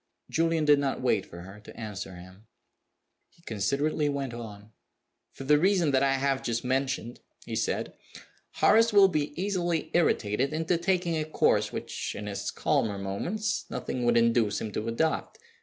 Julian did not wait for her to answer him. He considerately went on. "For the reason that I have just mentioned," he said, "Horace will be easily irritated into taking a course which, in his calmer moments, nothing would induce him to adopt.